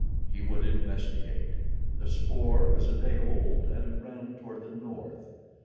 He would investigate. The spoor was a day old and it ran toward the north.